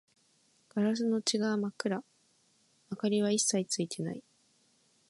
ガラスの内側は真っ暗、明かりは一切ついていない